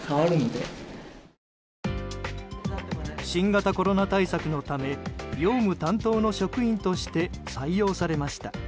新型コロナ対策のため用務担当の職員として採用されました。